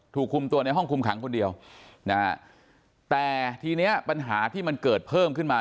คุมตัวในห้องคุมขังคนเดียวนะฮะแต่ทีเนี้ยปัญหาที่มันเกิดเพิ่มขึ้นมา